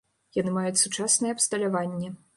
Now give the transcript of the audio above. Яны маюць сучаснае абсталяванне.